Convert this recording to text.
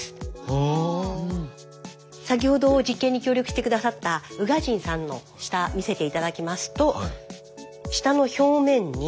先ほど実験に協力して下さった宇賀神さんの舌見せて頂きますと舌の表面に。